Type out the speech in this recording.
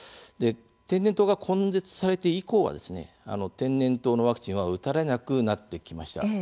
天然痘が根絶されて以降は天然痘のワクチンは打たれなくなってきました。